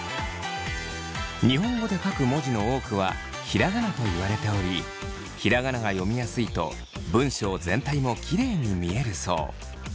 日本語で書く文字の多くはひらがなと言われておりひらがなが読みやすいと文章全体もきれいに見えるそう。